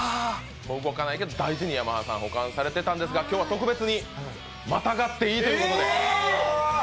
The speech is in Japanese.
動かないけど大事にヤマハさんが保管されていたんですが今日は特別に、またがっていいということで。